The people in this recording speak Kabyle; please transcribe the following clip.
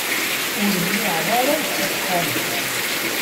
Ur mniɛeɣ ara si ccḥani.